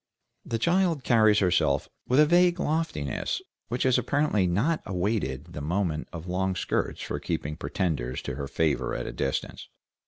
The child carries herself with a vague loftiness, which has apparently not awaited the moment of long skirts for keeping pretenders to her favor at a distance.